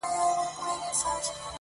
چور دئ که حساب؟